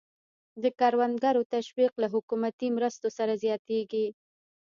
د کروندګرو تشویق له حکومتي مرستو سره زیاتېږي.